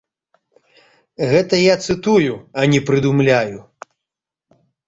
Гэта я цытую, а не прыдумляю.